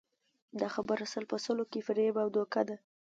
دا خبره سل په سلو کې فریب او دوکه ده